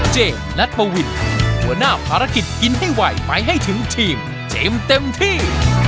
เจนนัทมวินหัวหน้าภารกิจกินให้ไวไปให้ถึงทีมเต็มที่